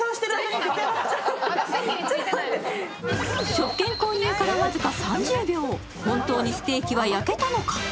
食券購入から僅か３０秒、本当にステーキは焼けたのか。